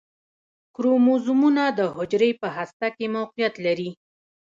کروموزومونه د حجرې په هسته کې موقعیت لري